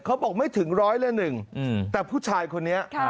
เขาบอกไม่ถึงร้อยละหนึ่งแต่ผู้ชายคนนี้